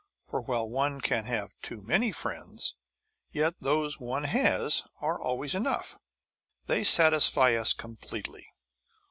For, while one can never have too many friends, yet those one has are always enough. They satisfy us completely.